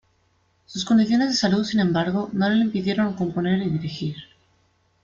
Sus condiciones de salud, sin embargo, no le impidieron componer y dirigir.